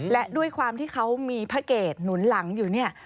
และด้วยความที่เขามีพระเกตหนุนหลังอยู่เนี่ย